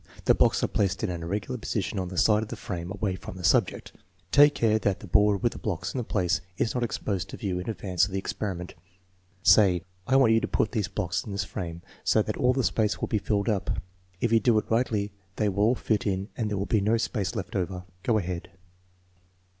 The blocks are placed in an irregular position on the side of the frame away from the subject. Take care that the board with the blocks in place is not exposed to view in advance of the experiment. Say: I want you to put these blocks in this frame so that dl the space will be filled up. If you do it rigidly they ynll all fit in and there will be no space left over. Go ahead."